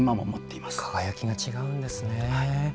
輝きが違うんですね。